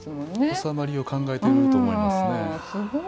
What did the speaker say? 収まりを考えていると思います。